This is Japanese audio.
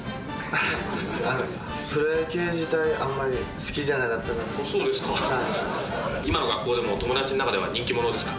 プロ野球自体、あんまり好きじゃそうですか。